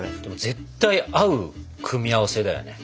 絶対合う組み合わせだよね。